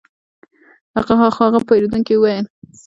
خو هغه وویل چې پیرودونکی د کور سامان هم غواړي